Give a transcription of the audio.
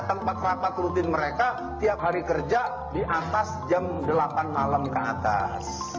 tempat rapat rutin mereka tiap hari kerja di atas jam delapan malam ke atas